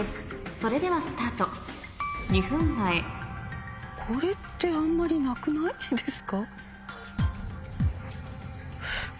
それではスタート２分前これってあんまりなくないですか？